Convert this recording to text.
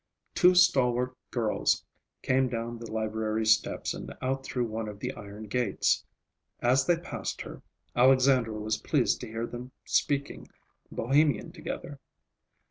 Two stalwart girls came down the library steps and out through one of the iron gates. As they passed her, Alexandra was pleased to hear them speaking Bohemian to each other.